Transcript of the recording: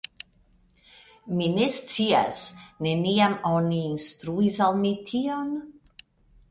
Mi ne scias; neniam oni instruis al mi tion?